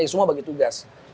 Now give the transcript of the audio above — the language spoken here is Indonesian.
ya semua bagi tugas